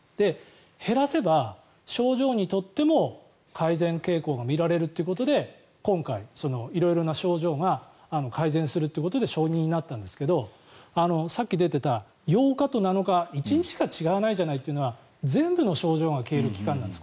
減らせば症状にとっても改善傾向が見られるということで今回、色々な症状が改善するということで承認になったんですけどさっき出ていた８日と７日１日しか違わないじゃないということは全部の症状が消える期間なんです。